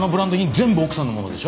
全部奥さんのものでしょ？